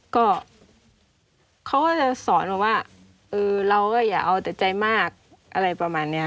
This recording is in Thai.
ก็เขาก็จะสอนมาว่าเออเราก็อย่าเอาแต่ใจมากอะไรประมาณนี้